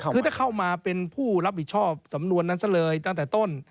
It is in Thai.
คือถ้าเข้ามาเป็นผู้รับผิดชอบสำนวนนั้นซะเลยตั้งแต่ต้น